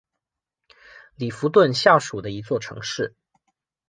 里弗顿下属的一座城市。